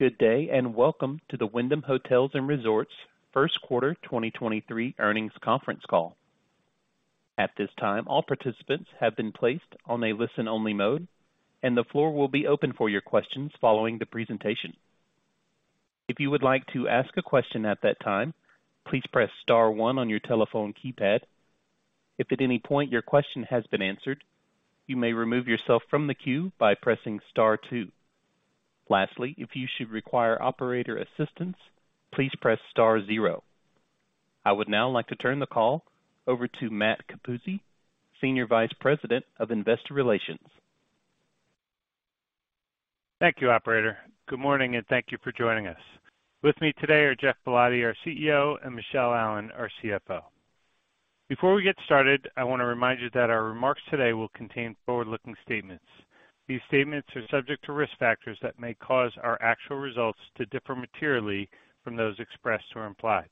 Good day, welcome to the Wyndham Hotels & Resorts first quarter 2023 earnings conference call. At this time, all participants have been placed on a listen-only mode, the floor will be open for your questions following the presentation. If you would like to ask a question at that time, please press star one on your telephone keypad. If at any point your question has been answered, you may remove yourself from the queue by pressing star two. Lastly, if you should require operator assistance, please press star zero. I would now like to turn the call over to Matt Capuzzi, Senior Vice President of Investor Relations. Thank you, operator. Good morning, and thank you for joining us. With me today are Geoff Ballotti, our CEO, and Michele Allen, our CFO. Before we get started, I wanna remind you that our remarks today will contain forward-looking statements. These statements are subject to risk factors that may cause our actual results to differ materially from those expressed or implied.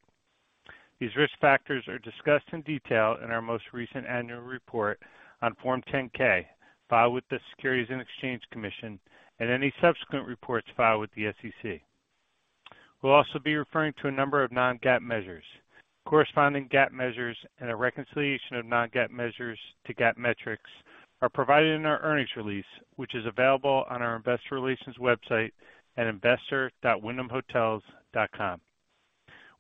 These risk factors are discussed in detail in our most recent annual report on Form 10-K filed with the Securities and Exchange Commission and any subsequent reports filed with the SEC. We'll also be referring to a number of non-GAAP measures. Corresponding GAAP measures and a reconciliation of non-GAAP measures to GAAP metrics are provided in our earnings release, which is available on our investor relations website at investor.wyndhamhotels.com.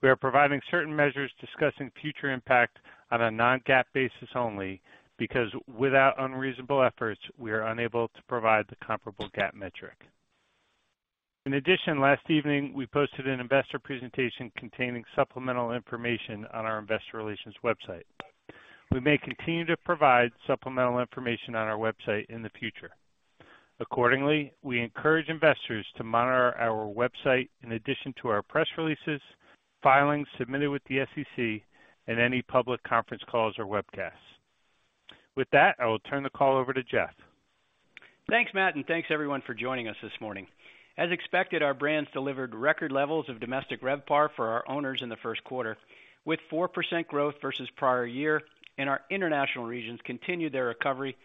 We are providing certain measures discussing future impact on a non-GAAP basis only because without unreasonable efforts, we are unable to provide the comparable GAAP metric. In addition, last evening, we posted an investor presentation containing supplemental information on our investor relations website. We may continue to provide supplemental information on our website in the future. Accordingly, we encourage investors to monitor our website in addition to our press releases, filings submitted with the SEC, and any public conference calls or webcasts. With that, I will turn the call over to Geoff. Thanks, Matt, and thanks, everyone, for joining us this morning. As expected, our brands delivered record levels of domestic RevPAR for our owners in the first quarter, with 4% growth versus prior year. Our international regions continued their recovery,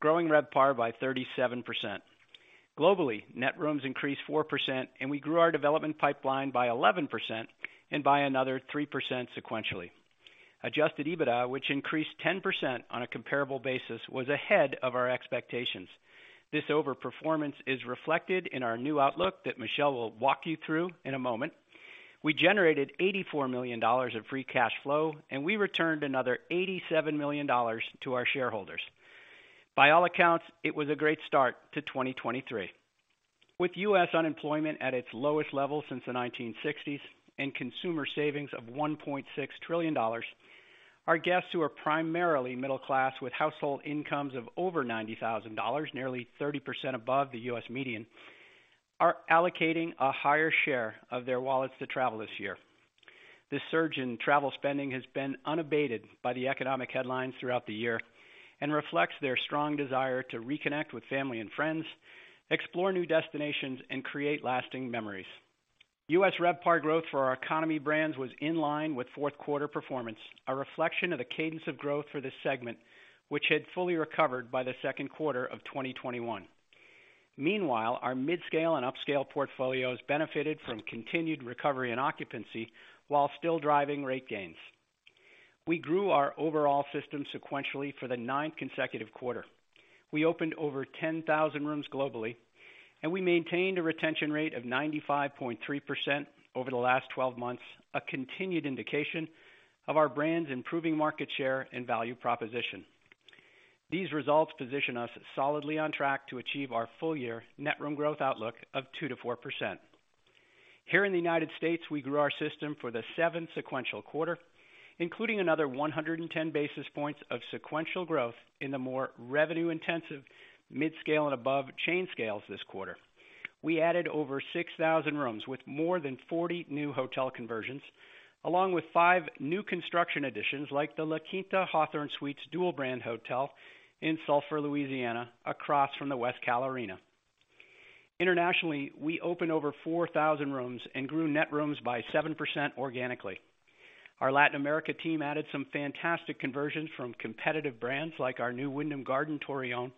growing RevPAR by 37%. Globally, net rooms increased 4%. We grew our development pipeline by 11% and by another 3% sequentially. Adjusted EBITDA, which increased 10% on a comparable basis, was ahead of our expectations. This overperformance is reflected in our new outlook that Michele will walk you through in a moment. We generated $84 million of free cash flow. We returned another $87 million to our shareholders. By all accounts, it was a great start to 2023. With U.S. unemployment at its lowest level since the 1960s and consumer savings of $1.6 trillion, our guests, who are primarily middle class with household incomes of over $90,000, nearly 30% above the U.S. median, are allocating a higher share of their wallets to travel this year. This surge in travel spending has been unabated by the economic headlines throughout the year and reflects their strong desire to reconnect with family and friends, explore new destinations, and create lasting memories. U.S. RevPAR growth for our economy brands was in line with fourth quarter performance, a reflection of the cadence of growth for this segment, which had fully recovered by the second quarter of 2021. Meanwhile, our midscale and upscale portfolios benefited from continued recovery and occupancy while still driving rate gains. We grew our overall system sequentially for the ninth consecutive quarter. We opened over 10,000 rooms globally, and we maintained a retention rate of 95.3% over the last 12 months, a continued indication of our brand's improving market share and value proposition. These results position us solidly on track to achieve our full year net room growth outlook of 2%-4%. Here in the United States, we grew our system for the seventh sequential quarter, including another 110 basis points of sequential growth in the more revenue-intensive midscale and above chain scales this quarter. We added over 6,000 rooms with more than 40 new hotel conversions, along with five new construction additions like the La Quinta Hawthorn Suites dual brand hotel in Sulphur, Louisiana, across from the West-Cal Arena. Internationally, we opened over 4,000 rooms and grew net rooms by 7% organically. Our Latin America team added some fantastic conversions from competitive brands like our new Wyndham Garden Torreón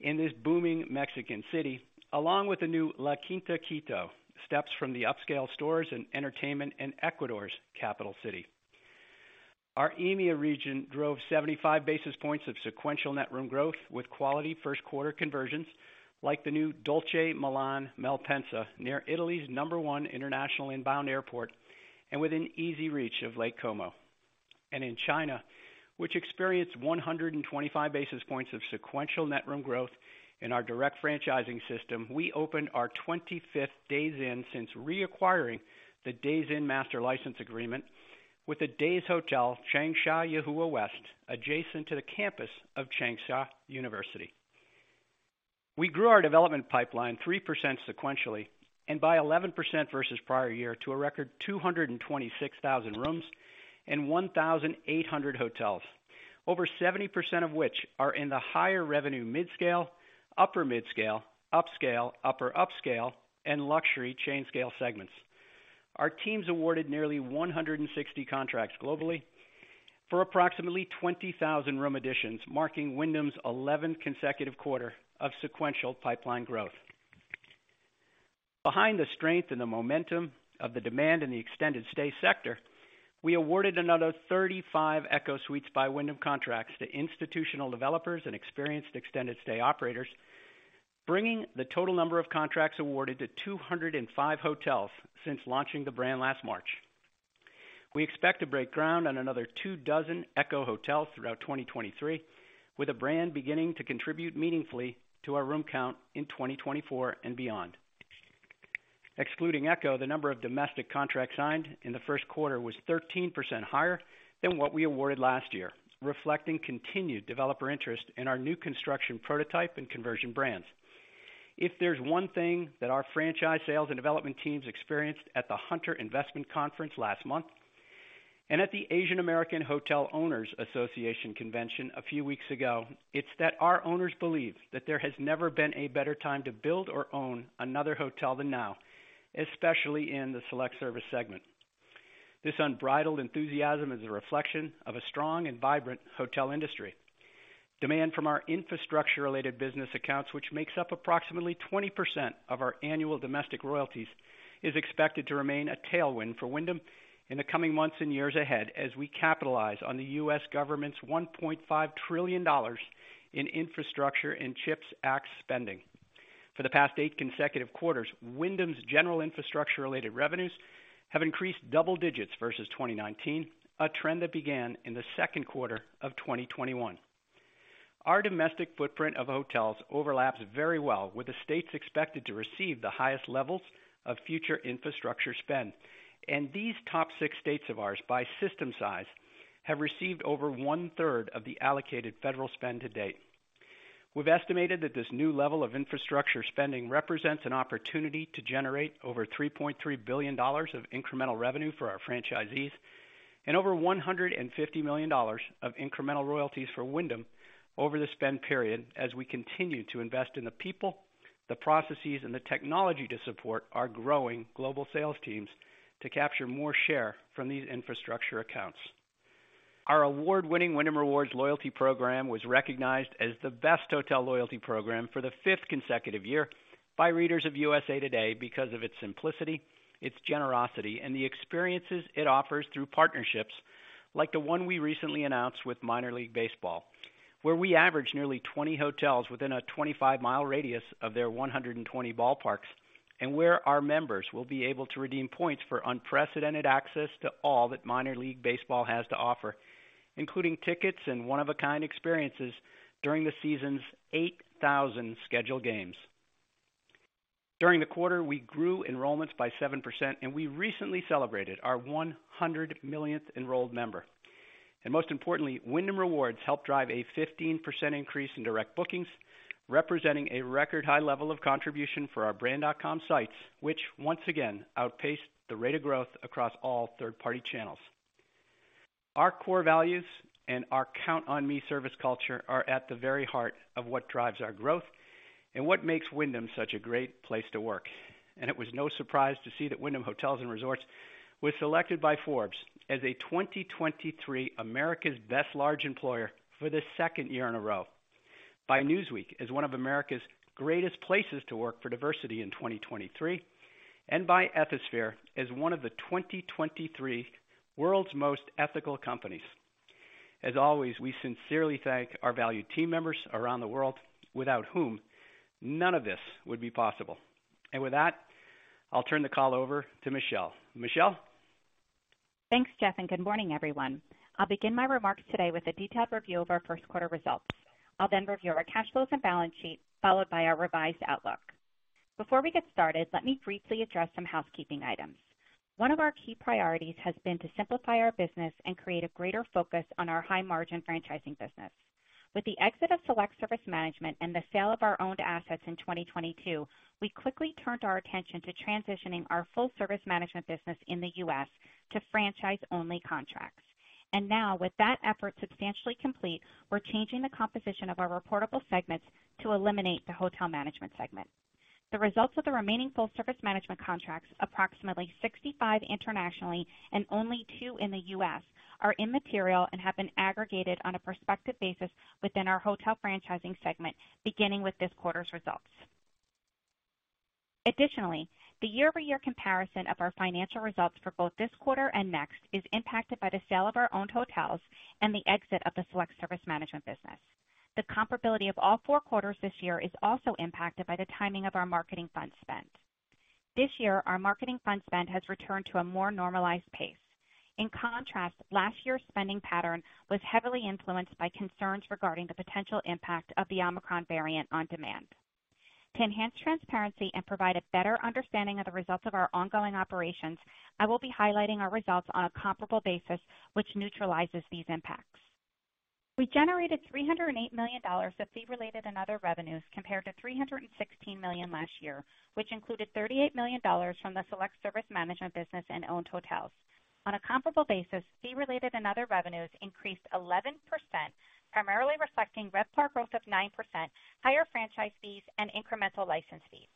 in this booming Mexican city, along with the new La Quinta Quito, steps from the upscale stores and entertainment in Ecuador's capital city. Our EMEA region drove 75 basis points of sequential net room growth with quality first quarter conversions like the new Dolce Milan Malpensa, near Italy's number one international inbound airport and within easy reach of Lake Como. In China, which experienced 125 basis points of sequential net room growth in our direct franchising system, we opened our 25th Days Inn since reacquiring the Days Inn master license agreement with the Days Hotel Changsha Yuhua West, adjacent to the campus of Changsha University. We grew our development pipeline 3% sequentially and by 11% versus prior year to a record 226,000 rooms and 1,800 hotels, over 70% of which are in the higher revenue midscale, upper midscale, upscale, upper upscale, and luxury chain scale segments. Our teams awarded nearly 160 contracts globally for approximately 20,000 room additions, marking Wyndham's 11th consecutive quarter of sequential pipeline growth. Behind the strength and the momentum of the demand in the extended stay sector, we awarded another 35 ECHO Suites by Wyndham contracts to institutional developers and experienced extended stay operators, bringing the total number of contracts awarded to 205 hotels since launching the brand last March. We expect to break ground on another two dozen ECHO hotels throughout 2023, with the brand beginning to contribute meaningfully to our room count in 2024 and beyond. Excluding ECHO, the number of domestic contracts signed in the first quarter was 13% higher than what we awarded last year, reflecting continued developer interest in our new construction prototype and conversion brands. If there's one thing that our franchise sales and development teams experienced at the Hunter Hotel Investment Conference last month, and at the Asian American Hotel Owners Association convention a few weeks ago, it's that our owners believe that there has never been a better time to build or own another hotel than now, especially in the select service segment. This unbridled enthusiasm is a reflection of a strong and vibrant hotel industry. Demand from our infrastructure related business accounts, which makes up approximately 20% of our annual domestic royalties, is expected to remain a tailwind for Wyndham in the coming months and years ahead, as we capitalize on the U.S. government's $1.5 trillion in infrastructure and CHIPS Act spending. For the past eight consecutive quarters, Wyndham's general infrastructure related revenues have increased double digits versus 2019, a trend that began in the second quarter of 2021. Our domestic footprint of hotels overlaps very well with the states expected to receive the highest levels of future infrastructure spend. These top six states of ours by system size have received over one third of the allocated federal spend to date. We've estimated that this new level of infrastructure spending represents an opportunity to generate over $3.3 billion of incremental revenue for our franchisees, and over $150 million of incremental royalties for Wyndham over the spend period as we continue to invest in the people, the processes, and the technology to support our growing global sales teams to capture more share from these infrastructure accounts. Our award winning Wyndham Rewards loyalty program was recognized as the best hotel loyalty program for the fifth consecutive year by readers of USA TODAY because of its simplicity, its generosity, and the experiences it offers through partnerships like the one we recently announced with Minor League Baseball, where we average nearly 20 hotels within a 25-mile radius of their 120 ballparks, and where our members will be able to redeem points for unprecedented access to all that Minor League Baseball has to offer, including tickets and one of a kind experiences during the season's 8,000 scheduled games. During the quarter, we grew enrollments by 7%. We recently celebrated our 100 millionth enrolled member. Most importantly, Wyndham Rewards helped drive a 15% increase in direct bookings, representing a record high level of contribution for our brand.com sites, which once again outpaced the rate of growth across all third party channels. Our core values and our Count on Me service culture are at the very heart of what drives our growth and what makes Wyndham such a great place to work. It was no surprise to see that Wyndham Hotels & Resorts was selected by Forbes as a 2023 America's Best Large Employer for the second year in a row, by Newsweek as one of America's greatest places to work for diversity in 2023, and by Ethisphere as one of the 2023 world's most ethical companies. As always, we sincerely thank our valued team members around the world, without whom none of this would be possible. With that, I'll turn the call over to Michele. Michele. Thanks, Geoff. Good morning, everyone. I'll begin my remarks today with a detailed review of our first quarter results. I'll then review our cash flows and balance sheet, followed by our revised outlook. Before we get started, let me briefly address some housekeeping items. One of our key priorities has been to simplify our business and create a greater focus on our high margin franchising business. With the exit of select service management and the sale of our owned assets in 2022, we quickly turned our attention to transitioning our full service management business in the U.S. to franchise only contracts. Now with that effort substantially complete, we're changing the composition of our reportable segments to eliminate the hotel management segment. The results of the remaining full service management contracts, approximately 65 internationally and only two in the U.S., are immaterial and have been aggregated on a prospective basis within our hotel franchising segment beginning with this quarter's results. Additionally, the year-over-year comparison of our financial results for both this quarter and next is impacted by the sale of our owned hotels and the exit of the select service management business. The comparability of all four quarters this year is also impacted by the timing of our marketing fund spend. This year, our marketing fund spend has returned to a more normalized pace. In contrast, last year's spending pattern was heavily influenced by concerns regarding the potential impact of the Omicron variant on demand. To enhance transparency and provide a better understanding of the results of our ongoing operations, I will be highlighting our results on a comparable basis which neutralizes these impacts. We generated $308 million of fee related and other revenues compared to $316 million last year, which included $38 million from the select service management business and owned hotels. On a comparable basis, fee related and other revenues increased 11%, primarily reflecting RevPAR growth of 9%, higher franchise fees and incremental license fees.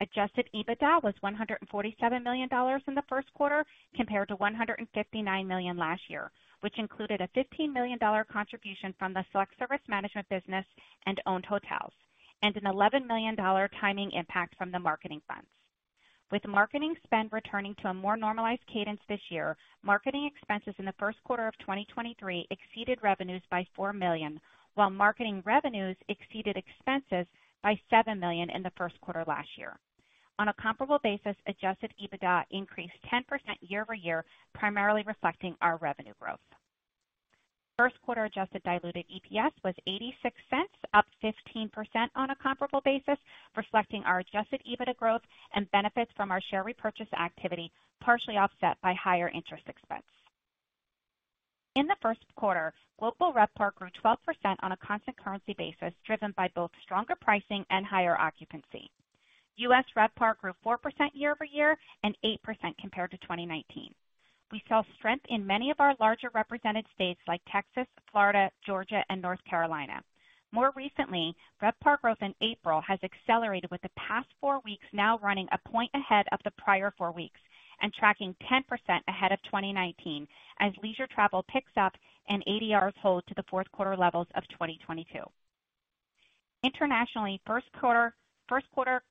Adjusted EBITDA was $147 million in the first quarter compared to $159 million last year, which included a $15 million contribution from the select service management business and owned hotels, and an $11 million timing impact from the marketing funds. With marketing spend returning to a more normalized cadence this year, marketing expenses in the first quarter of 2023 exceeded revenues by $4 million, while marketing revenues exceeded expenses by $7 million in the first quarter last year. On a comparable basis, adjusted EBITDA increased 10% year-over-year, primarily reflecting our revenue growth. First quarter adjusted diluted EPS was $0.86, up 15% on a comparable basis, reflecting our adjusted EBITDA growth and benefits from our share repurchase activity, partially offset by higher interest expense. In the first quarter, global RevPAR grew 12% on a constant currency basis, driven by both stronger pricing and higher occupancy. U.S. RevPAR grew 4% year-over-year and 8% compared to 2019. We saw strength in many of our larger represented states like Texas, Florida, Georgia, and North Carolina. More recently, RevPAR growth in April has accelerated, with the past four weeks now running a point ahead of the prior four weeks and tracking 10% ahead of 2019 as leisure travel picks up and ADRs hold to the fourth quarter levels of 2022. Internationally, first quarter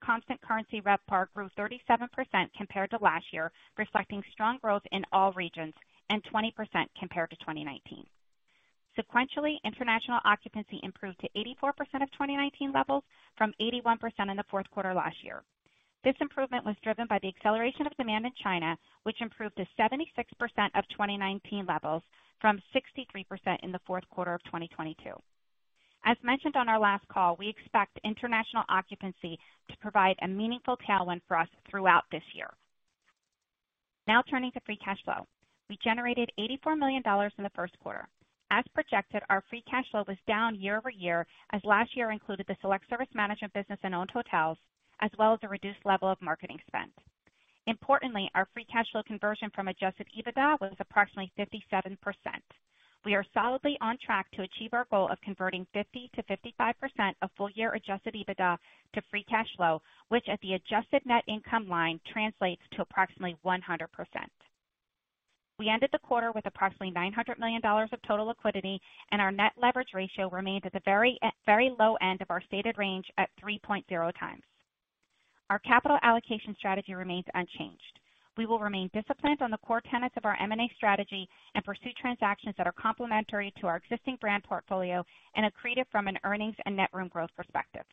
constant currency RevPAR grew 37% compared to last year, reflecting strong growth in all regions and 20% compared to 2019. Sequentially, international occupancy improved to 84% of 2019 levels from 81% in the fourth quarter last year. This improvement was driven by the acceleration of demand in China, which improved to 76% of 2019 levels from 63% in the fourth quarter of 2022. As mentioned on our last call, we expect international occupancy to provide a meaningful tailwind for us throughout this year. Now turning to free cash flow. We generated $84 million in the first quarter. As projected, our free cash flow was down year-over-year as last year included the select service management business and owned hotels, as well as a reduced level of marketing spend. Importantly, our free cash flow conversion from adjusted EBITDA was approximately 57%. We are solidly on track to achieve our goal of converting 50%-55% of full year adjusted EBITDA to free cash flow, which at the adjusted net income line translates to approximately 100%. We ended the quarter with approximately $900 million of total liquidity, and our net leverage ratio remains at the very, very low end of our stated range at 3.0 times. Our capital allocation strategy remains unchanged. We will remain disciplined on the core tenets of our M&A strategy and pursue transactions that are complementary to our existing brand portfolio and accretive from an earnings and net room growth perspective.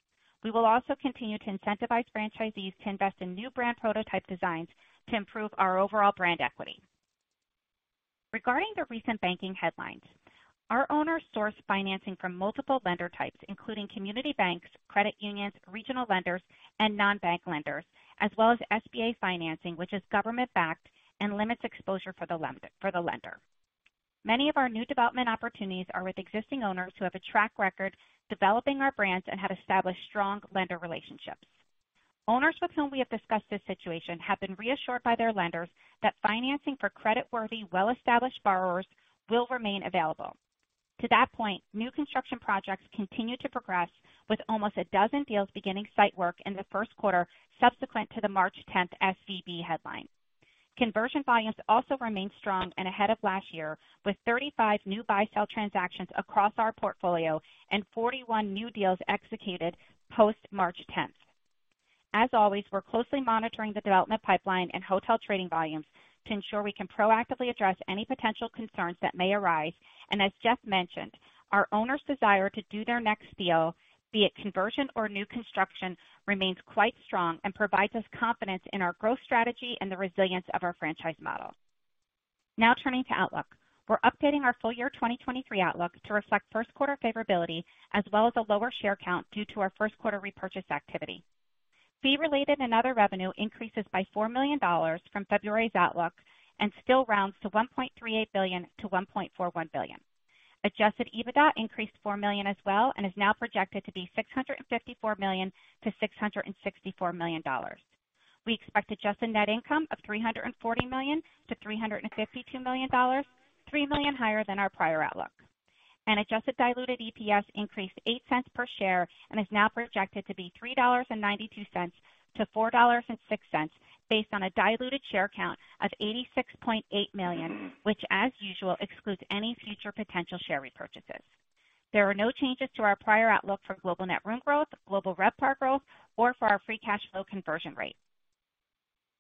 We will also continue to incentivize franchisees to invest in new brand prototype designs to improve our overall brand equity. Regarding the recent banking headlines, our owners source financing from multiple lender types, including community banks, credit unions, regional lenders, and non-bank lenders, as well as SBA financing, which is government backed and limits exposure for the lender. Many of our new development opportunities are with existing owners who have a track record developing our brands and have established strong lender relationships. Owners with whom we have discussed this situation have been reassured by their lenders that financing for creditworthy, well-established borrowers will remain available. To that point, new construction projects continue to progress, with almost 12 deals beginning site work in the 1st quarter subsequent to the March 10 SVB headline. Conversion volumes also remain strong and ahead of last year, with 35 new buy sell transactions across our portfolio and 41 new deals executed post March 10. As always, we're closely monitoring the development pipeline and hotel trading volumes to ensure we can proactively address any potential concerns that may arise. As Geoff mentioned, our owners desire to do their next deal, be it conversion or new construction, remains quite strong and provides us confidence in our growth strategy and the resilience of our franchise model. Turning to outlook. We're updating our full year 2023 outlook to reflect 1st quarter favorability as well as a lower share count due to our 1st quarter repurchase activity. Fee related and other revenue increases by $4 million from February's outlook and still rounds to $1.38 billion-$1.41 billion. Adjusted EBITDA increased $4 million as well and is now projected to be $654 million-$664 million. We expect adjusted net income of $340 million-$352 million, $3 million higher than our prior outlook. Adjusted diluted EPS increased $0.08 per share and is now projected to be $3.92-$4.06 based on a diluted share count of 86.8 million, which as usual excludes any future potential share repurchases. There are no changes to our prior outlook for global net room growth, global RevPAR growth, or for our free cash flow conversion rate.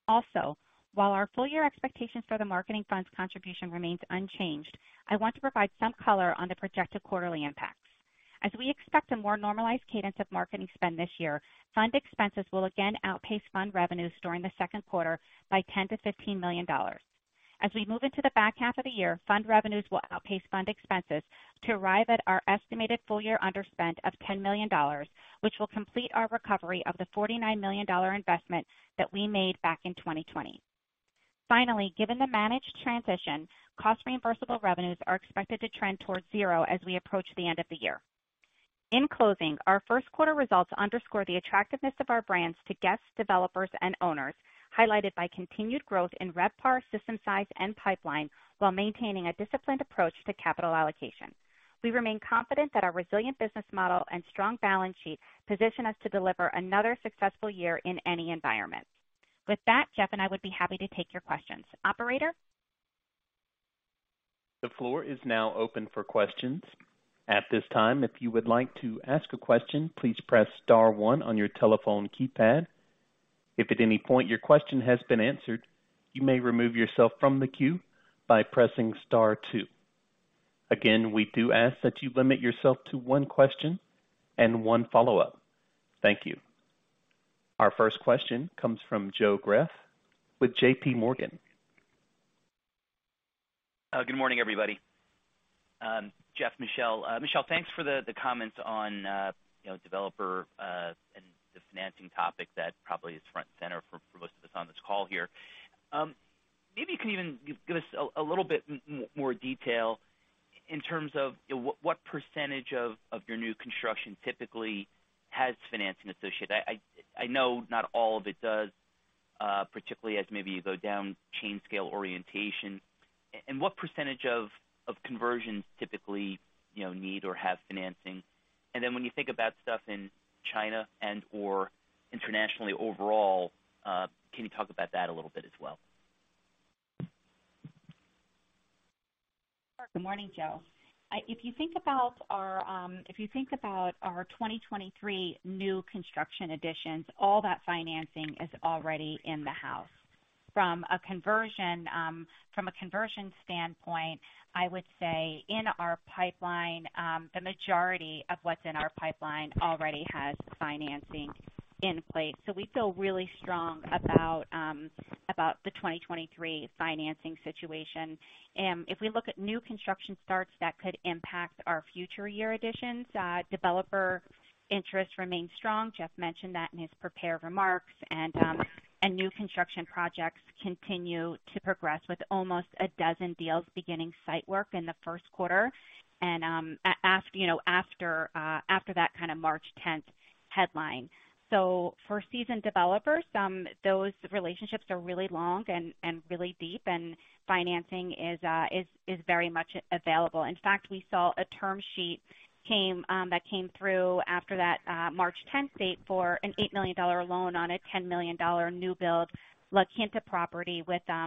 While our full year expectations for the marketing funds contribution remains unchanged, I want to provide some color on the projected quarterly impacts. As we expect a more normalized cadence of marketing spend this year, fund expenses will again outpace fund revenues during the second quarter by $10 million-$15 million. As we move into the back half of the year, fund revenues will outpace fund expenses to arrive at our estimated full year underspend of $10 million, which will complete our recovery of the $49 million investment that we made back in 2020. Given the managed transition, cost reimbursable revenues are expected to trend towards 0 as we approach the end of the year. In closing, our first quarter results underscore the attractiveness of our brands to guests, developers, and owners, highlighted by continued growth in RevPAR, system size, and pipeline while maintaining a disciplined approach to capital allocation. We remain confident that our resilient business model and strong balance sheet position us to deliver another successful year in any environment. With that, Geoff and I would be happy to take your questions. Operator? The floor is now open for questions. At this time, if you would like to ask a question, please press star one on your telephone keypad. If at any point your question has been answered, you may remove yourself from the queue by pressing star two. Again, we do ask that you limit yourself to one question and one follow-up. Thank you. Our first question comes from Joe Greff with JPMorgan. Good morning, everybody. Geoff, Michele. Michele, thanks for the comments on, you know, developer, and the financing topic that probably is front and center for most of us on this call here. Maybe you can even give us a little bit more detail in terms of what percentage of your new construction typically has financing associated. I know not all of it does, particularly as maybe you go down chain scale orientation. What percentage of conversions typically, you know, need or have financing? Then when you think about stuff in China and or internationally overall, can you talk about that a little bit as well? Good morning, Joe. If you think about our 2023 new construction additions, all that financing is already in the house. From a conversion standpoint, I would say in our pipeline, the majority of what's in our pipeline already has financing in place. We feel really strong about the 2023 financing situation. If we look at new construction starts that could impact our future year additions, developer interest remains strong. Geoff mentioned that in his prepared remarks. As, you know, after that kind of March 10 headline. For seasoned developers, those relationships are really long and really deep, and financing is very much available. In fact, we saw a term sheet came that came through after that March 10th date for an $8 million loan on a $10 million new build La Quinta property with a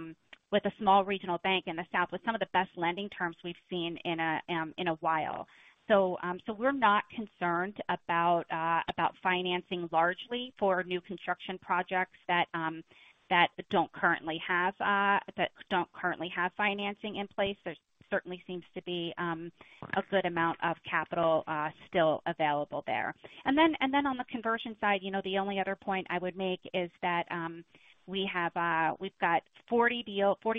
small regional bank in the South with some of the best lending terms we've seen in a while. We're not concerned about financing largely for new construction projects that don't currently have financing in place. There certainly seems to be a good amount of capital still available there. Then on the conversion side, you know, the only other point I would make is that we have, we've got 40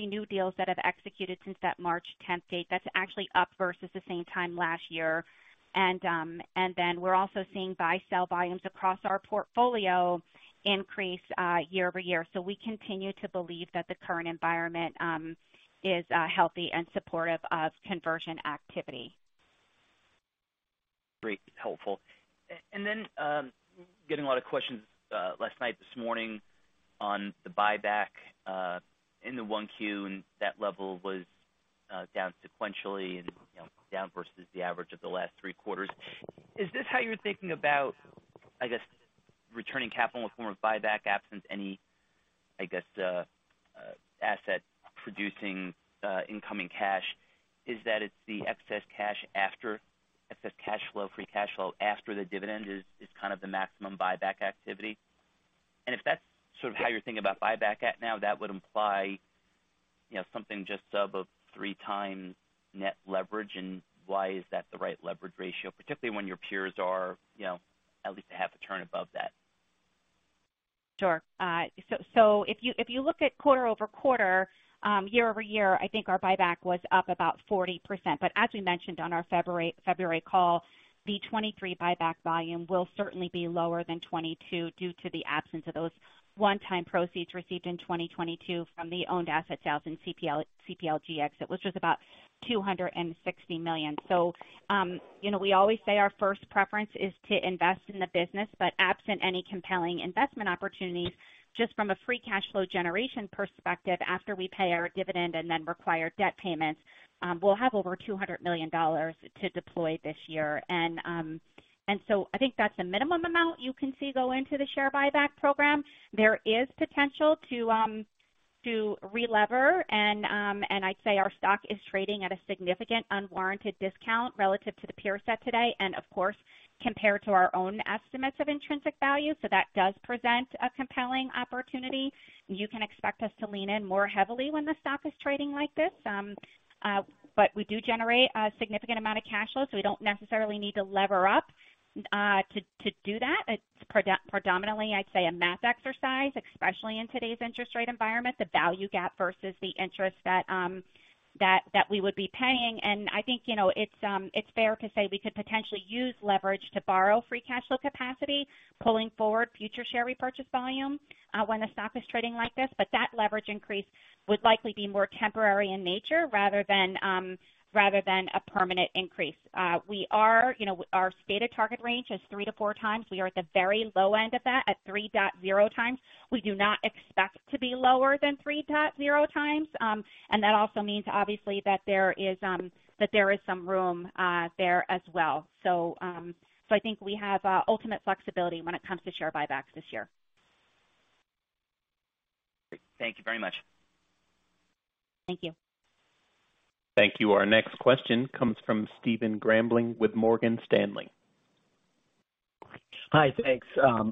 new deals that have executed since that March 10th date. That's actually up versus the same time last year. Then we're also seeing buy/sell volumes across our portfolio increase, year-over-year. We continue to believe that the current environment is healthy and supportive of conversion activity. Great. Helpful. Then, getting a lot of questions last night, this morning on the buyback in the 1 Q, and that level was down sequentially and, you know, down versus the average of the last 3 quarters. Is this how you're thinking about, I guess, returning capital in the form of buyback absent any, I guess, asset producing, incoming cash? Is that it's the excess cash flow, free cash flow after the dividend is kind of the maximum buyback activity? If that's sort of how you're thinking about buyback at now, that would imply, you know, something just sub of 3 times net leverage. Why is that the right leverage ratio, particularly when your peers are, you know, at least a half a turn above that? Sure. If you look at quarter-over-quarter, year-over-year, I think our buyback was up about 40%. As we mentioned on our February call, the 2023 buyback volume will certainly be lower than 2022 due to the absence of those one-time proceeds received in 2022 from the owned asset sales and CPLG exit, which was about $260 million. You know, we always say our first preference is to invest in the business, but absent any compelling investment opportunities, just from a free cash flow generation perspective, after we pay our dividend and then require debt payments, we'll have over $200 million to deploy this year. I think that's a minimum amount you can see go into the share buyback program. There is potential to relever. I'd say our stock is trading at a significant unwarranted discount relative to the peer set today and of course, compared to our own estimates of intrinsic value. That does present a compelling opportunity. You can expect us to lean in more heavily when the stock is trading like this. We do generate a significant amount of cash flow, so we don't necessarily need to lever up to do that. It's predominantly, I'd say, a math exercise, especially in today's interest rate environment, the value gap versus the interest that we would be paying. I think, you know, it's fair to say we could potentially use leverage to borrow free cash flow capacity, pulling forward future share repurchase volume when the stock is trading like this. That leverage increase would likely be more temporary in nature rather than a permanent increase. We are, you know, our stated target range is 3-4 times. We are at the very low end of that at 3.0 times. We do not expect to be lower than 3.0 times. That also means, obviously, that there is some room there as well. I think we have ultimate flexibility when it comes to share buybacks this year. Thank you very much. Thank you. Thank you. Our next question comes from Stephen Grambling with Morgan Stanley. Hi. Thanks.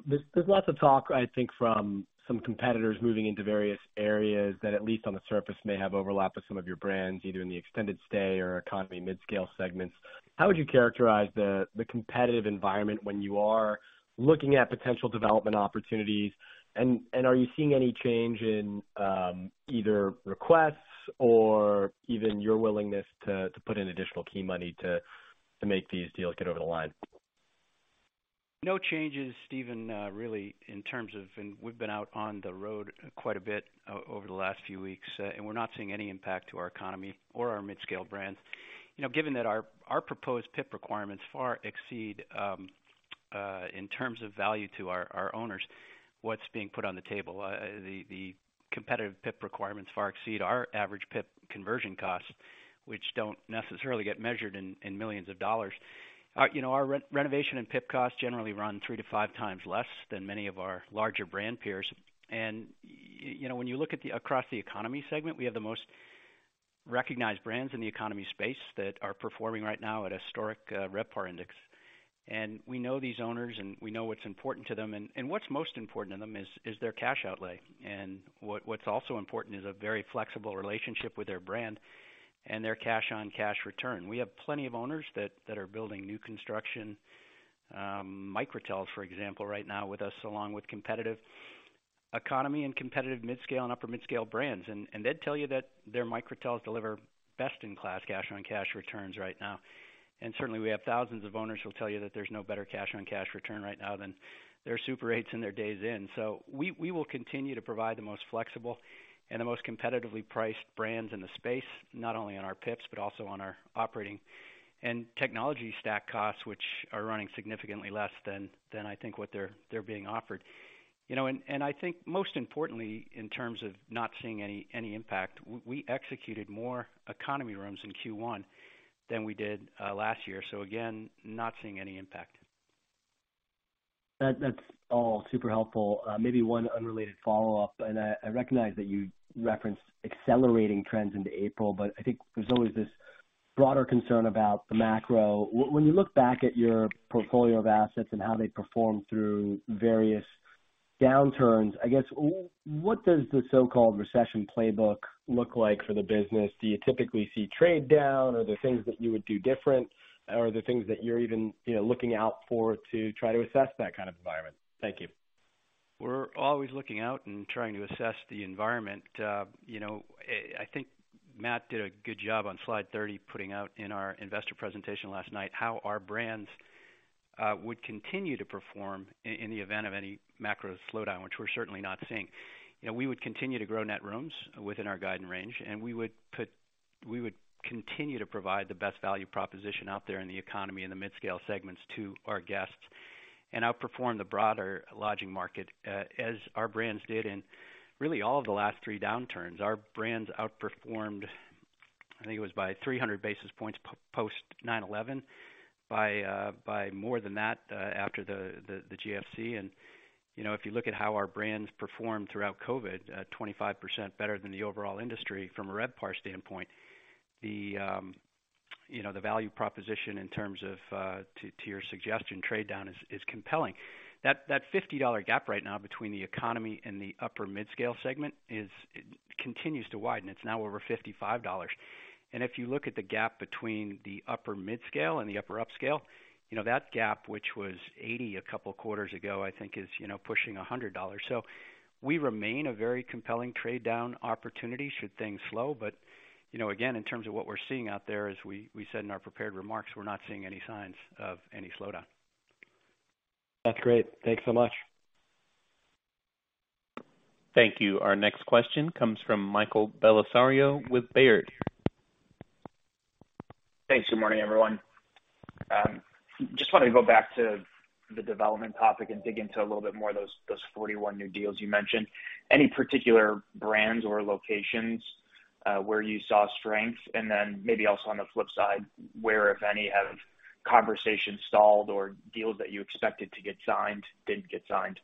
There's lots of talk, I think, from some competitors moving into various areas that at least on the surface may have overlap with some of your brands, either in the extended stay or economy mid-scale segments. How would you characterize the competitive environment when you are looking at potential development opportunities? Are you seeing any change in, either requests or even your willingness to put in additional key money to make these deals get over the line? No changes, Steven, really in terms of... We've been out on the road quite a bit over the last few weeks, and we're not seeing any impact to our economy or our mid-scale brands. You know, given that our proposed PIP requirements far exceed in terms of value to our owners, what's being put on the table. The competitive PIP requirements far exceed our average PIP conversion costs, which don't necessarily get measured in millions of dollars. Our, you know, our renovation and PIP costs generally run 3 to 5 times less than many of our larger brand peers. You know, when you look across the economy segment, we have the most recognized brands in the economy space that are performing right now at a historic RevPAR index. We know these owners, and we know what's important to them. What's most important to them is their cash outlay. What's also important is a very flexible relationship with their brand and their cash on cash return. We have plenty of owners that are building new construction, Microtels, for example, right now with us, along with competitive economy and competitive midscale and upper midscale brands. They'd tell you that their Microtels deliver best in class cash on cash returns right now. Certainly we have thousands of owners who will tell you that there's no better cash on cash return right now than their Super 8s and their Days Inn. We will continue to provide the most flexible and the most competitively priced brands in the space, not only on our PIPs, but also on our operating and technology stack costs, which are running significantly less than I think what they're being offered. You know, and I think most importantly, in terms of not seeing any impact, we executed more economy rooms in Q1 than we did last year. Again, not seeing any impact. That's all super helpful. Maybe one unrelated follow-up, I recognize that you referenced accelerating trends into April, I think there's always this broader concern about the macro. When you look back at your portfolio of assets and how they perform through various downturns, I guess, what does the so-called recession playbook look like for the business? Do you typically see trade down? Are there things that you would do different? Are there things that you're even, you know, looking out for to try to assess that kind of environment? Thank you. We're always looking out and trying to assess the environment. You know, I think Matt did a good job on slide 30, putting out in our investor presentation last night how our brands would continue to perform in the event of any macro slowdown, which we're certainly not seeing. You know, we would continue to grow net rooms within our guidance range, and we would continue to provide the best value proposition out there in the economy and the midscale segments to our guests and outperform the broader lodging market, as our brands did in really all of the last three downturns. Our brands outperformed, I think it was by 300 basis points post 9/11, by more than that, after the GFC. You know, if you look at how our brands performed throughout COVID, 25% better than the overall industry from a RevPAR standpoint, the, you know, the value proposition in terms of, to your suggestion, trade down is compelling. That $50 gap right now between the economy and the upper midscale segment continues to widen. It's now over $55. If you look at the gap between the upper midscale and the upper upscale, you know, that gap, which was $80 a couple of quarters ago, I think is, you know, pushing $100. We remain a very compelling trade down opportunity should things slow. You know, again, in terms of what we're seeing out there, as we said in our prepared remarks, we're not seeing any signs of any slowdown. That's great. Thanks so much. Thank you. Our next question comes from Michael Bellisario with Baird. Thanks. Good morning, everyone. Just wanted to go back to the development topic and dig into a little bit more of those 41 new deals you mentioned. Any particular brands or locations, where you saw strength? Maybe also on the flip side, where, if any, have conversations stalled or deals that you expected to get signed didn't get signed?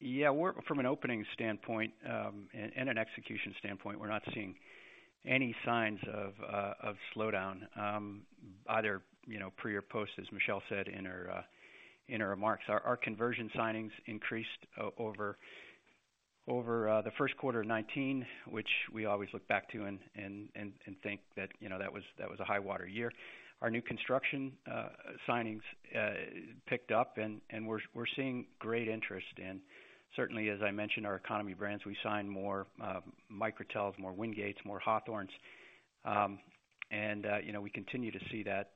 Yeah. From an opening standpoint, and an execution standpoint, we're not seeing any signs of slowdown, either, you know, pre or post, as Michele said in her remarks. Our conversion signings increased over the first quarter of 2019, which we always look back to and think that, you know, that was a high water year. Our new construction signings picked up and we're seeing great interest. Certainly, as I mentioned, our economy brands, we signed more Microtels, more Wingates, more Hawthorns. And, you know, we continue to see that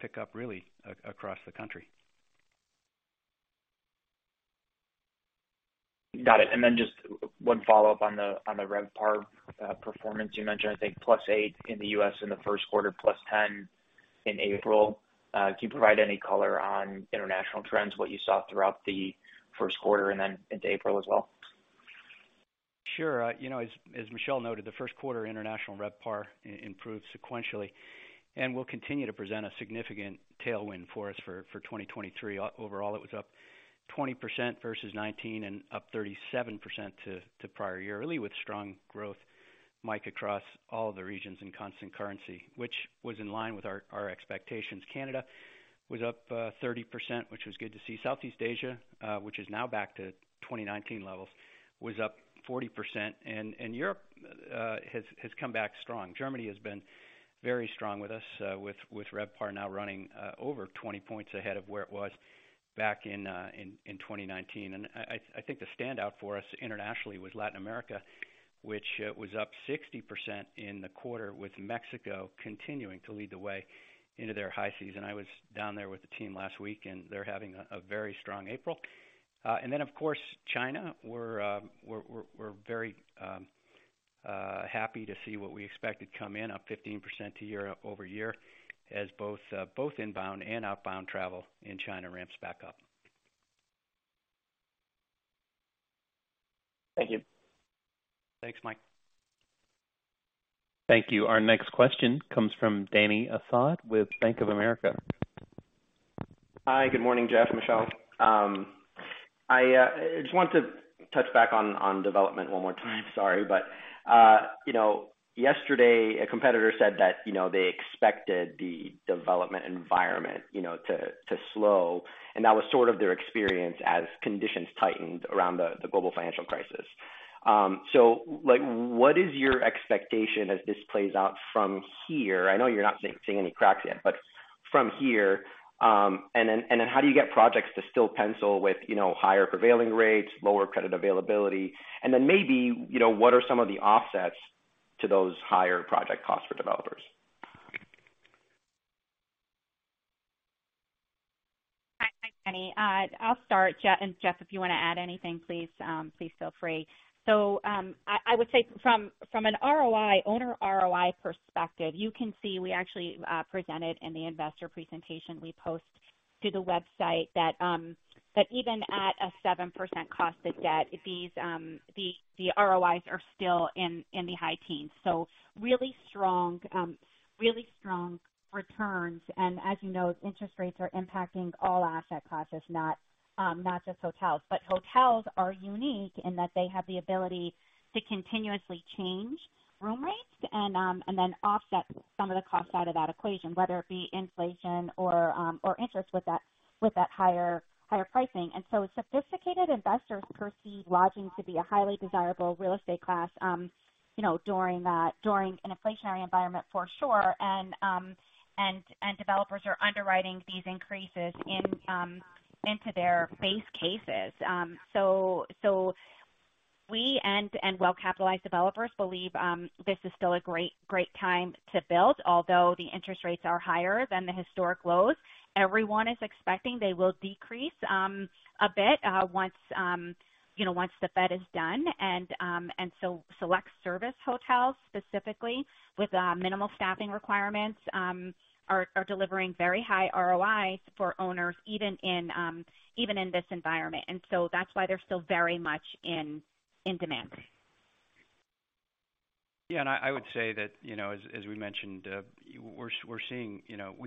pick up really across the country. Got it. Just one follow-up on the RevPAR performance. You mentioned, I think, +8% in the U.S. in the first quarter, +10% in April. Can you provide any color on international trends, what you saw throughout the first quarter and then into April as well? Sure. You know, as Michele noted, the first quarter international RevPAR improved sequentially. Will continue to present a significant tailwind for us for 2023. Overall, it was up 20% versus 2019, up 37% to prior year, really with strong growth, Mike, across all the regions in constant currency, which was in line with our expectations. Canada was up 30%, which was good to see. Southeast Asia, which is now back to 2019 levels, was up 40%. Europe has come back strong. Germany has been very strong with us, with RevPAR now running over 20 points ahead of where it was back in 2019. I think the standout for us internationally was Latin America, which was up 60% in the quarter, with Mexico continuing to lead the way into their high season. I was down there with the team last week, and they're having a very strong April. Then of course, China, we're very happy to see what we expected come in, up 15% to year-over-year, as both inbound and outbound travel in China ramps back up. Thank you. Thanks, Mike. Thank you. Our next question comes from Dany Asad with Bank of America. Hi, good morning, Geoff, Michele. I just want to touch back on development one more time. Sorry. You know, yesterday, a competitor said that, you know, they expected the development environment, you know, to slow, and that was sort of their experience as conditions tightened around the global financial crisis. Like what is your expectation as this plays out from here? I know you're not seeing any cracks yet, but from here. How do you get projects to still pencil with, you know, higher prevailing rates, lower credit availability? Maybe, you know, what are some of the offsets to those higher project costs for developers? Hi, Dany. I'll start, and Geoff, if you wanna add anything, please feel free. I would say from an ROI, owner ROI perspective, you can see we actually presented in the investor presentation we post to the website that even at a 7% cost of debt, these the ROIs are still in the high teens. Really strong, really strong returns. As you know, interest rates are impacting all asset classes, not just hotels. Hotels are unique in that they have the ability to continuously change room rates and then offset some of the cost out of that equation, whether it be inflation or interest with that higher pricing. Sophisticated investors perceive lodging to be a highly desirable real estate class, you know, during an inflationary environment for sure. Developers are underwriting these increases into their base cases. We and well-capitalized developers believe this is still a great time to build. Although the interest rates are higher than the historic lows, everyone is expecting they will decrease a bit once, you know, once the Fed is done. Select service hotels, specifically with minimal staffing requirements, are delivering very high ROI for owners even in this environment. That's why they're still very much in demand. I would say that, as we mentioned,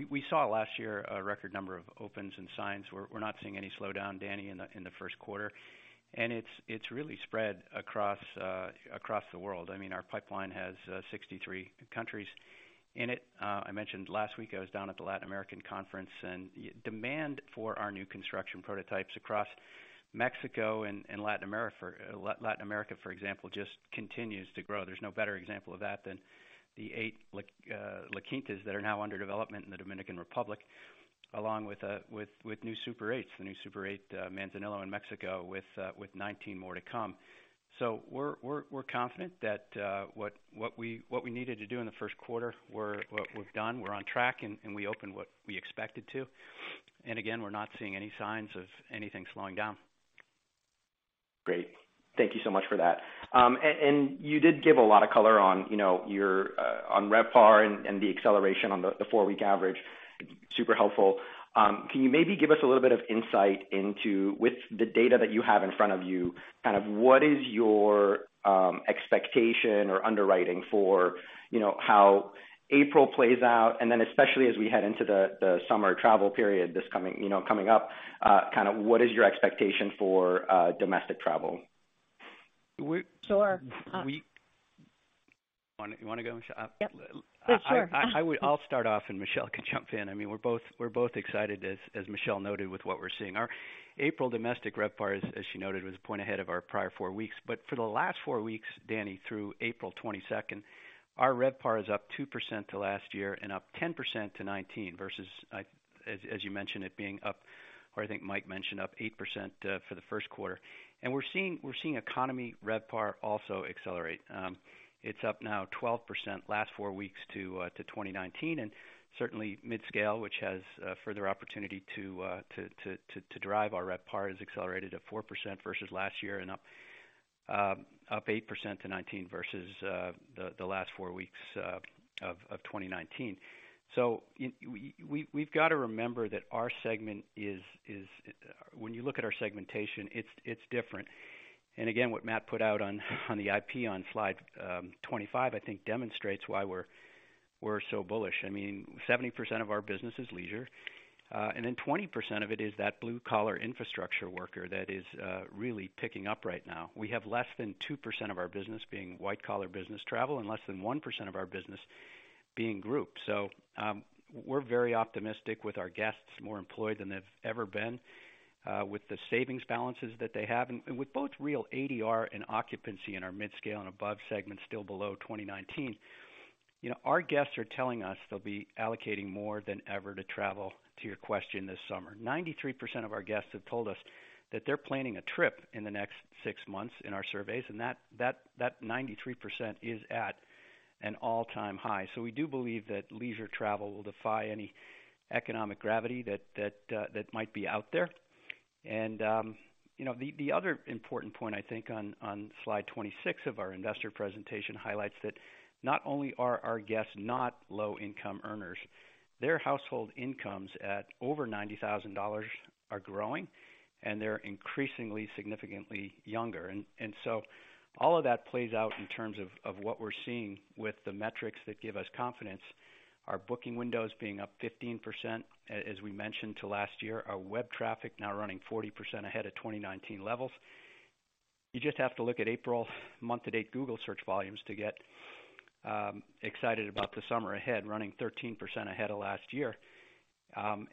we saw last year a record number of opens and signs. We're not seeing any slowdown, Dany, in the first quarter. It's really spread across the world. I mean, our pipeline has 63 countries in it. I mentioned last week I was down at the Latin American conference. Demand for our new construction prototypes across Mexico and Latin America, for example, just continues to grow. There's no better example of that than the eight La Quintas that are now under development in the Dominican Republic, along with new Super 8s, the new Super 8 Manzanillo in Mexico with 19 more to come. We're confident that what we needed to do in the first quarter, we've done, we're on track, and we opened what we expected to. Again, we're not seeing any signs of anything slowing down. Great. Thank you so much for that. You did give a lot of color on, you know, your on RevPAR and the acceleration on the four-week average. Super helpful. Can you maybe give us a little bit of insight into, with the data that you have in front of you, kind of what is your expectation or underwriting for, you know, how April plays out, and then especially as we head into the summer travel period this coming, you know, coming up, kind of what is your expectation for domestic travel? We- Sure. You wanna go, Michele? Yep. Sure. I'll start off. Michele can jump in. I mean, we're both excited, as Michele noted, with what we're seeing. Our April domestic RevPAR, as she noted, was 1 point ahead of our prior 4 weeks. For the last 4 weeks, Dany, through April 22nd, our RevPAR is up 2% to last year and up 10% to 2019 versus, as you mentioned, it being up, or I think Michael mentioned, up 8%, for the first quarter. We're seeing economy RevPAR also accelerate. It's up now 12% last 4 weeks to 2019. Certainly midscale, which has further opportunity to drive our RevPAR, has accelerated to 4% versus last year and up 8% to 19% versus the last four weeks of 2019. So we've got to remember that our segment is, when you look at our segmentation, it's different. And again, what Matt put out on the IP on slide 25, I think demonstrates why we're so bullish. I mean, 70% of our business is leisure, and then 20% of it is that blue collar infrastructure worker that is really picking up right now. We have less than 2% of our business being white collar business travel and less than 1% of our business being group. We're very optimistic with our guests more employed than they've ever been, with the savings balances that they have. With both real ADR and occupancy in our midscale and above segments still below 2019. You know, our guests are telling us they'll be allocating more than ever to travel to your question this summer. 93% of our guests have told us that they're planning a trip in the next 6 months in our surveys. That 93% is at an all-time high. We do believe that leisure travel will defy any economic gravity that might be out there. You know, the other important point, I think on slide 26 of our investor presentation highlights that not only are our guests not low income earners, their household incomes at over $90,000 are growing, and they're increasingly significantly younger. So all of that plays out in terms of what we're seeing with the metrics that give us confidence. Our booking windows being up 15%, as we mentioned to last year, our web traffic now running 40% ahead of 2019 levels. You just have to look at April month-to-date Google search volumes to get excited about the summer ahead, running 13% ahead of last year.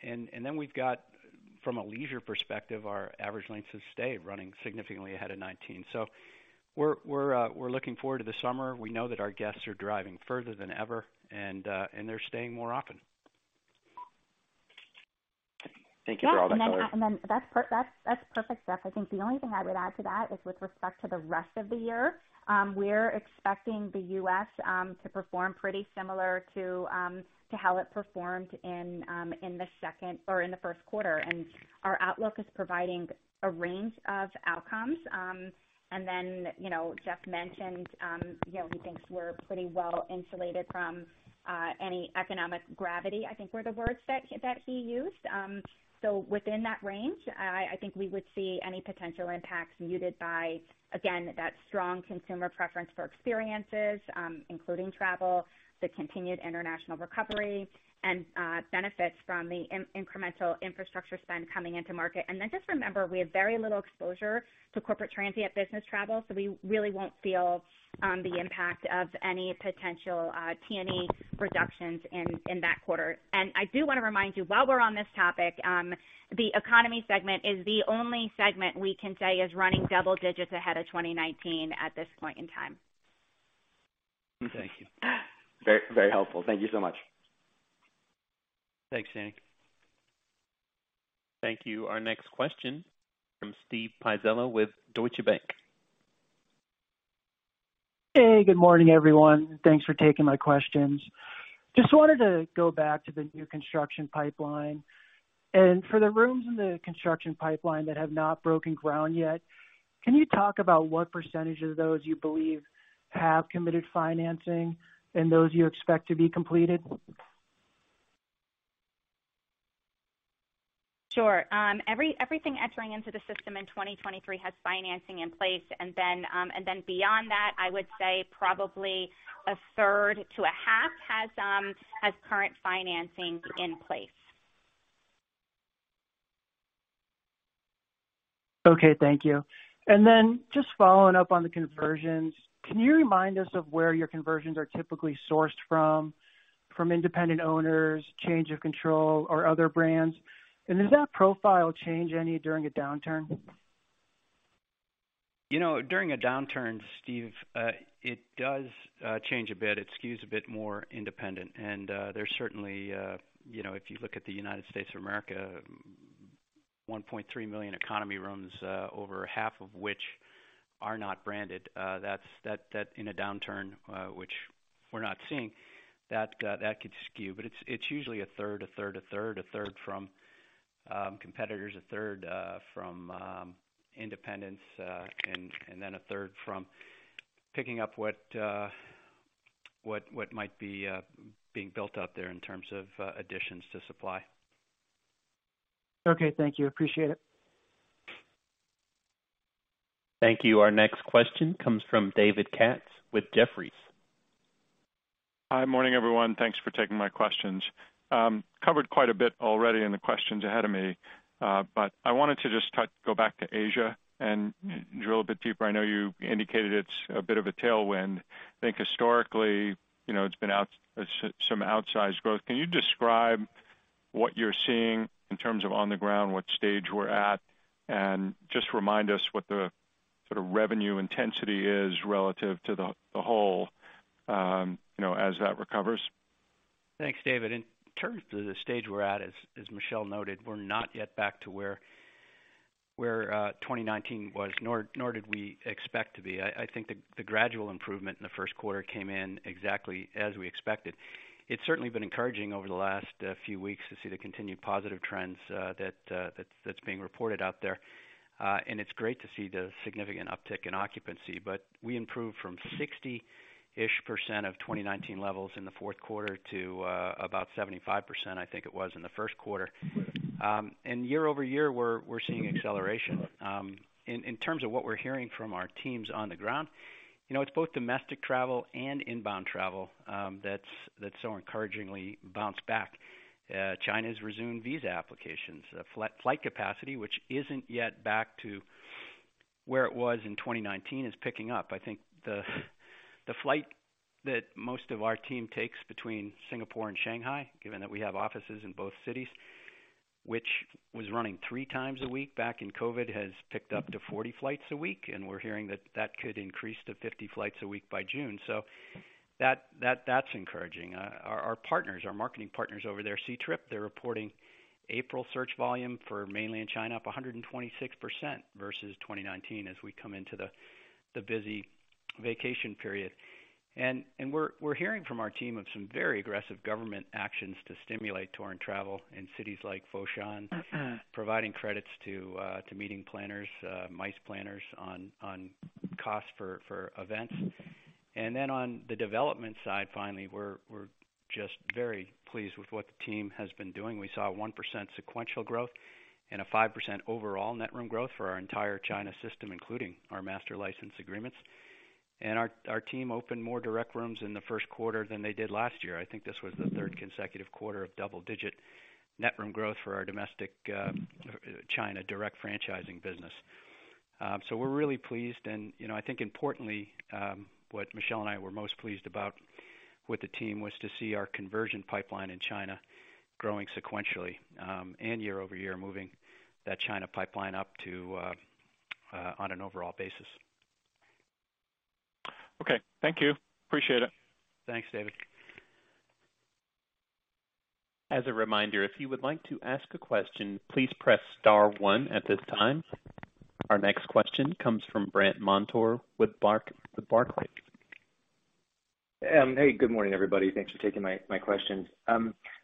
Then we've got from a leisure perspective, our average length of stay running significantly ahead of 2019. We're looking forward to the summer. We know that our guests are driving further than ever, and they're staying more often. Thank you for all that color. Yeah. That's perfect, Geoff. I think the only thing I would add to that is with respect to the rest of the year, we're expecting the U.S. to perform pretty similar to how it performed in the second or in the first quarter, our outlook is providing a range of outcomes. You know, Geoff mentioned, you know, he thinks we're pretty well insulated from any economic gravity, I think, were the words that he used. Within that range, I think we would see any potential impacts muted by, again, that strong consumer preference for experiences, including travel, the continued international recovery and benefits from the incremental infrastructure spend coming into market. Just remember, we have very little exposure to corporate transient business travel, so we really won't feel the impact of any potential T&E reductions in that quarter. I do wanna remind you, while we're on this topic, the economy segment is the only segment we can say is running double digits ahead of 2019 at this point in time. Thank you. Very, very helpful. Thank you so much. Thanks, Hank. Thank you. Our next question from Steven Pizzella with Deutsche Bank. Hey, good morning, everyone. Thanks for taking my questions. Just wanted to go back to the new construction pipeline. For the rooms in the construction pipeline that have not broken ground yet, can you talk about what % of those you believe have committed financing and those you expect to be completed? Sure. Everything entering into the system in 2023 has financing in place. Beyond that, I would say probably a third to a half has current financing in place. Okay, thank you. Just following up on the conversions, can you remind us of where your conversions are typically sourced from? From independent owners, change of control or other brands? Does that profile change any during a downturn? You know, during a downturn, Steve, it does change a bit. It skews a bit more independent. There's certainly, you know, if you look at the United States of America, 1.3 million economy rooms, over half of which are not branded, that in a downturn, which we're not seeing, that could skew. It's usually a third, a third, a third. A third from competitors, a third from independents, and then a third from picking up what might be being built out there in terms of additions to supply. Okay. Thank you. Appreciate it. Thank you. Our next question comes from David Katz with Jefferies. Hi. Morning, everyone. Thanks for taking my questions. Covered quite a bit already in the questions ahead of me, but I wanted to just go back to Asia and drill a bit deeper. I know you indicated it's a bit of a tailwind. I think historically, you know, it's been some outsized growth. Can you describe what you're seeing in terms of on the ground, what stage we're at? Just remind us what the sort of revenue intensity is relative to the whole, you know, as that recovers. Thanks, David. In terms of the stage we're at, as Michele noted, we're not yet back to where 2019 was, nor did we expect to be. I think the gradual improvement in the first quarter came in exactly as we expected. It's certainly been encouraging over the last few weeks to see the continued positive trends that's being reported out there. It's great to see the significant uptick in occupancy, but we improved from 60-ish % of 2019 levels in the fourth quarter to about 75%, I think it was, in the first quarter. Year-over-year, we're seeing acceleration. In terms of what we're hearing from our teams on the ground, you know, it's both domestic travel and inbound travel that's so encouragingly bounced back. China's resumed visa applications. Flight capacity, which isn't yet back to where it was in 2019, is picking up. I think the flight that most of our team takes between Singapore and Shanghai, given that we have offices in both cities, which was running 3 times a week back in COVID, has picked up to 40 flights a week, and we're hearing that could increase to 50 flights a week by June. That's encouraging. Our partners, our marketing partners over there, Ctrip, they're reporting April search volume for Mainland China up 126% versus 2019 as we come into the busy vacation period. We're hearing from our team of some very aggressive government actions to stimulate tour and travel in cities like Foshan, providing credits to meeting planners, MICE planners on costs for events. Then on the development side, finally, we're just very pleased with what the team has been doing. We saw 1% sequential growth and a 5% overall net room growth for our entire China system, including our master license agreements. Our team opened more direct rooms in the first quarter than they did last year. I think this was the third consecutive quarter of double-digit net room growth for our domestic China direct franchising business. We're really pleased. You know, I think importantly, what Michele and I were most pleased about with the team was to see our conversion pipeline in China growing sequentially, and year over year, moving that China pipeline On an overall basis. Okay. Thank you. Appreciate it. Thanks, David. As a reminder, if you would like to ask a question, please press star one at this time. Our next question comes from Brandt Montour with the Barclays. Hey, good morning, everybody. Thanks for taking my questions. I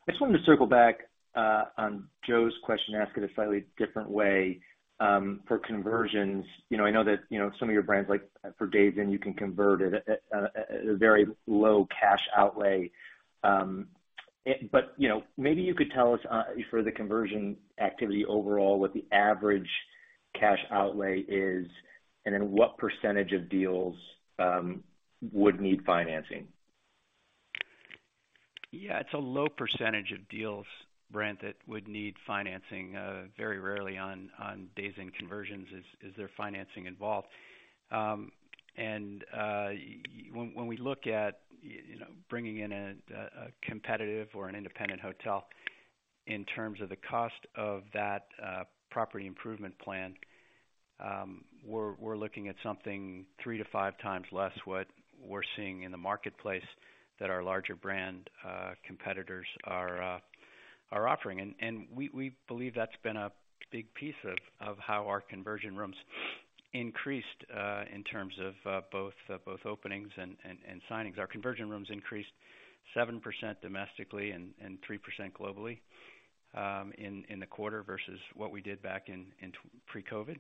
just wanted to circle back on Joe's question, ask it a slightly different way, for conversions. You know, I know that, you know, some of your brands, like for Days Inn, you can convert at a very low cash outlay. You know, maybe you could tell us for the conversion activity overall, what the average cash outlay is and then what % of deals would need financing. Yeah, it's a low percentage of deals, Brandt Montour, that would need financing. Very rarely on Days Inn conversions is there financing involved. When we look at, you know, bringing in a competitive or an independent hotel in terms of the cost of that property improvement plan, we're looking at something 3-5 times less what we're seeing in the marketplace that our larger brand competitors are offering. We believe that's been a big piece of how our conversion rooms increased in terms of both openings and signings. Our conversion rooms increased 7% domestically and 3% globally in the quarter versus what we did back in pre-COVID.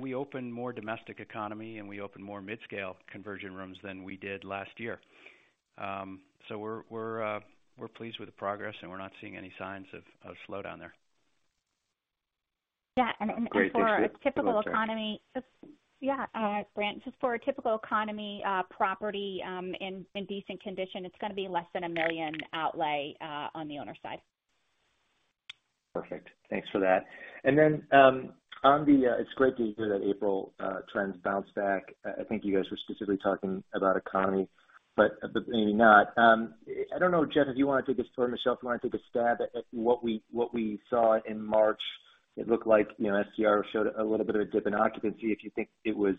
We opened more domestic economy, and we opened more midscale conversion rooms than we did last year. We're pleased with the progress, and we're not seeing any signs of slowdown there. Yeah. For a typical economy- Great. Thanks. Oh, I'm sorry. Yeah, Brandt, just for a typical economy property, in decent condition, it's gonna be less than $1 million outlay, on the owner side. Perfect. Thanks for that. Then, it's great to hear that April trends bounced back. I think you guys were specifically talking about economy, but maybe not. I don't know, Geoff, if you wanna take a or Michele, you wanna take a stab at what we saw in March? It looked like, you know, STR showed a little bit of a dip in occupancy, if you think it was,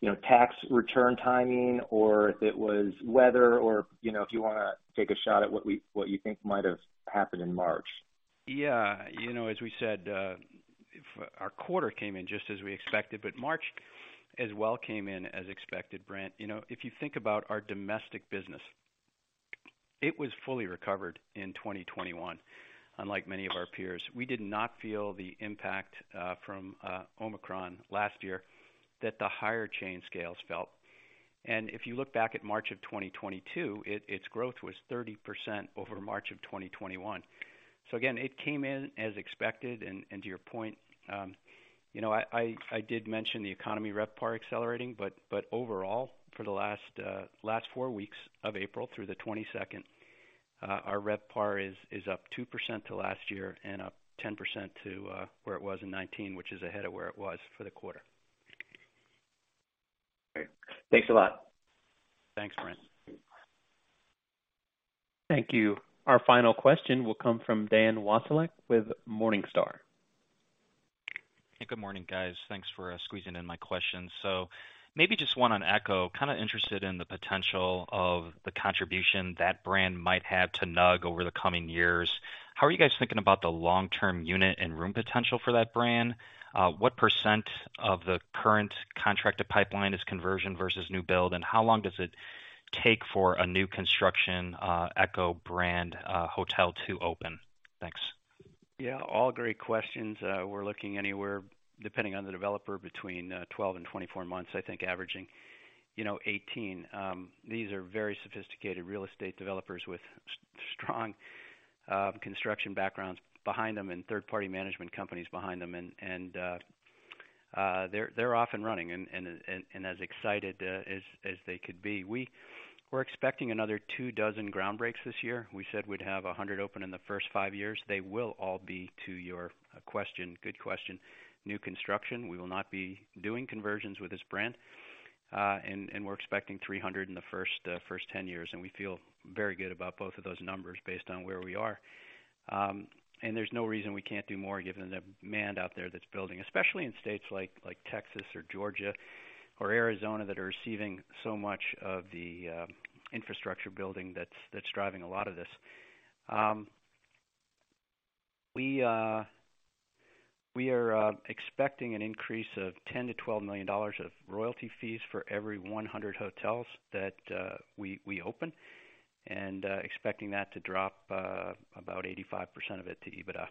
you know, tax return timing or if it was weather or, you know, if you wanna take a shot at what you think might have happened in March? Yeah. You know, as we said, our quarter came in just as we expected, March as well came in as expected, Brandt. You know, if you think about our domestic business, it was fully recovered in 2021, unlike many of our peers. We did not feel the impact from Omicron last year that the higher chain scales felt. If you look back at March of 2022, its growth was 30% over March of 2021. Again, it came in as expected. To your point, you know, I did mention the economy RevPAR accelerating, but overall, for the last four weeks of April through the 22nd, our RevPAR is up 2% to last year and up 10% to where it was in 2019, which is ahead of where it was for the quarter. Great. Thanks a lot. Thanks, Brandt. Thank you. Our final question will come from Dan Wasiolek with Morningstar. Good morning, guys. Thanks for squeezing in my question. Maybe just one on ECHO. Kind of interested in the potential of the contribution that brand might have to NUG over the coming years. How are you guys thinking about the long-term unit and room potential for that brand? What % of the current contracted pipeline is conversion versus new build, and how long does it Take for a new construction, ECHO brand, hotel to open? Thanks. Yeah, all great questions. We're looking anywhere, depending on the developer, between 12 and 24 months, I think averaging, you know, 18. These are very sophisticated real estate developers with strong construction backgrounds behind them and third-party management companies behind them, and they're off and running and as excited as they could be. We're expecting another 2 dozen ground breaks this year. We said we'd have 100 open in the first 5 years. They will all be to your question, good question, new construction. We will not be doing conversions with this brand. We're expecting 300 in the first 10 years, and we feel very good about both of those numbers based on where we are. There's no reason we can't do more given the demand out there that's building, especially in states like Texas or Georgia or Arizona that are receiving so much of the infrastructure building that's driving a lot of this. We are expecting an increase of $10 million-$12 million of royalty fees for every 100 hotels that we open and expecting that to drop about 85% of it to EBITDA.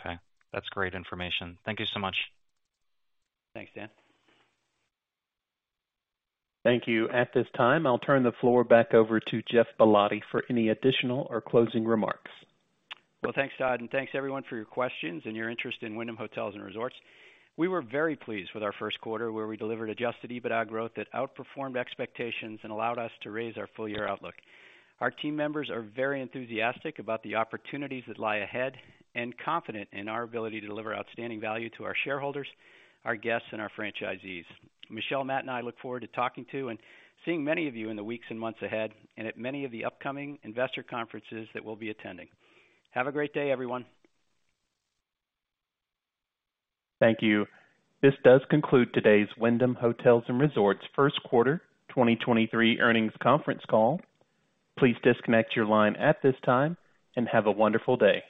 Okay. That's great information. Thank you so much. Thanks, Dan. Thank you. At this time, I'll turn the floor back over to Geoff Ballotti for any additional or closing remarks. Well, thanks, Todd, thanks everyone for your questions and your interest in Wyndham Hotels & Resorts. We were very pleased with our first quarter, where we delivered adjusted EBITDA growth that outperformed expectations and allowed us to raise our full year outlook. Our team members are very enthusiastic about the opportunities that lie ahead and confident in our ability to deliver outstanding value to our shareholders, our guests, and our franchisees. Michele, Matt, and I look forward to talking to and seeing many of you in the weeks and months ahead and at many of the upcoming investor conferences that we'll be attending. Have a great day, everyone. Thank you. This does conclude today's Wyndham Hotels & Resorts first quarter 2023 earnings conference call. Please disconnect your line at this time, and have a wonderful day.